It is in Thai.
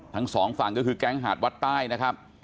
ทั้งสองฝั่งก็คือแก๊งหาดวัดใต้นะครับ